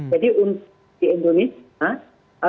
jadi di indonesia